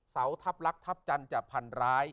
เสาทัพลักษ์ทัพจันทร์จะพันร้าย